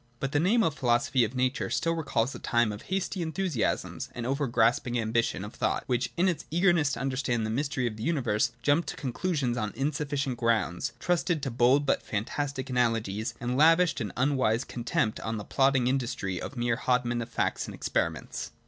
But the name of a Philo sophy of Nature still recalls a time of hasty enthusiasms and over grasping ambition of thought which, in its eagerness to understand the mystery of the universe, jumped to conclusions on insufficient grounds, trusted to bold but fantastic analogies, and lavished an unwise contempt on the plodding industry of the mere hodman of facts and experiments.